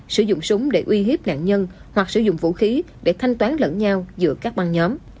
sử dụng súng để uy hiếp nạn nhân hoặc sử dụng vũ khí để thanh toán lẫn nhau giữa các băng nhóm